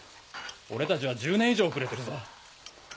俺たちは１０年以上遅れてるぞ。